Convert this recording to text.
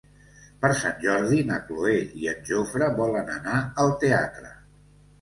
Per Sant Jordi na Cloè i en Jofre volen anar al teatre.